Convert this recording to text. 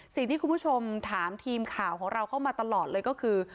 สิ่งที่คุณผู้ชมถามทีมข่าวของเราเข้ามาตลอดเลยก็คือ